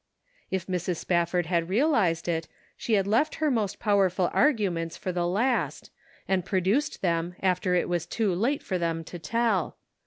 If Mrs. Spafford had realized it, she had 228 The Pocket Measure. left her most powerful arguments for the last, and produced them after it was too late for them to tell.